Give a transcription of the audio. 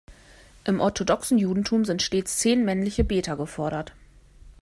Im orthodoxen Judentum sind stets zehn männliche Beter gefordert.